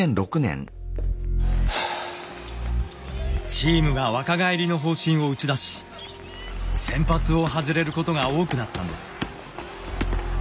チームが若返りの方針を打ち出し先発を外れることが多くなったんです。